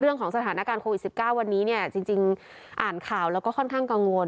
เรื่องของสถานการณ์โควิด๑๙วันนี้เนี่ยจริงอ่านข่าวแล้วก็ค่อนข้างกังวล